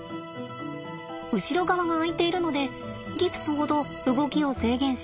後ろ側が開いているのでギプスほど動きを制限しません。